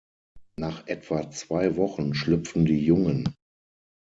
Nach etwa zwei Wochen schlüpfen die Jungen.